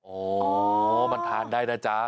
โอ้โหมันทานได้นะจ๊ะ